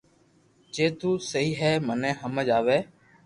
جي تو سھيي ھي مني ھمج آوي